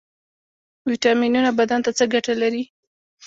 ویټامینونه بدن ته څه ګټه لري؟